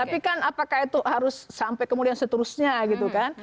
tapi kan apakah itu harus sampai kemudian seterusnya gitu kan